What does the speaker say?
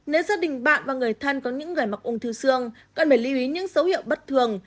nếu gia đình bạn và người thân có những người mắc ung thư xương cần phải lưu ý những dấu hiệu bất thường